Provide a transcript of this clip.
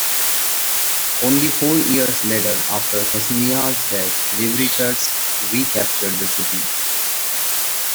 Only four years later, after Casimir's death, Liubartas recaptured the city.